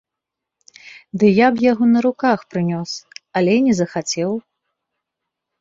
Ды я б яго на руках прынёс, але не захацеў.